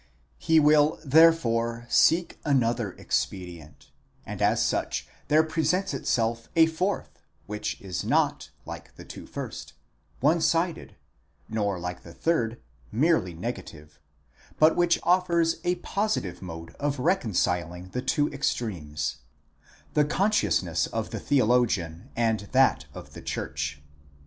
He will therefore seek another expedient ; and as such there presents itself a fourth, which is not, like the two first, one sided, nor like the third, merely negative, but which offers a positive mode of reconciling the two extremes— the consciousness of the theologian, and that of the church.